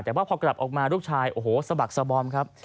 แต่ว่าพอกลับออกมาลูกชายโอ้โหสะบักสบอมครับ